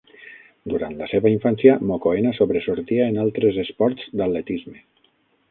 Durant la seva infància, Mokoena sobresortia en altres esports d'atletisme.